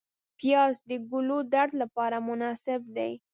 پیاز د ګلودرد لپاره مناسب دی